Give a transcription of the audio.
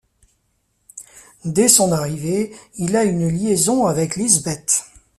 Dès son arrivée, il a une liaison avec Liesbeth.